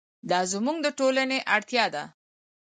دا زموږ د ټولنې اړتیا ده.